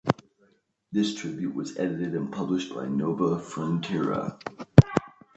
This tribute was edited and published by Nova Fronteira.